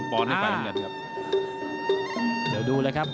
๑ปอนด์ได้ไปทั้งเงินครับ